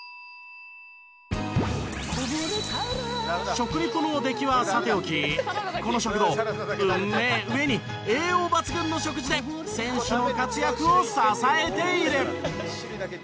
食リポの出来はさておきこの食堂うんめぇうえに栄養抜群の食事で選手の活躍を支えている。